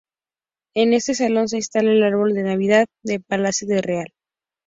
En este Salón se instala el Árbol de Navidad del Palacio Real.